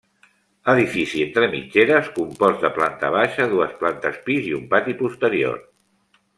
Edifici entre mitgeres, compost de planta baixa, dues plantes pis i un pati posterior.